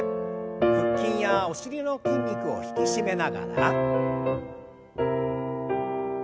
腹筋やお尻の筋肉を引き締めながら。